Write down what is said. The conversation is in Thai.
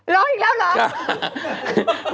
รออีกแล้วเหรอ